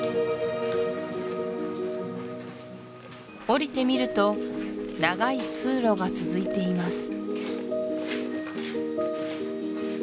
おりてみると長い通路が続いています